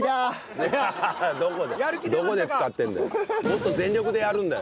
どこでどこで使ってるんだよ。